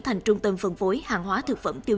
thành trung tâm phân phối hàng hóa thực phẩm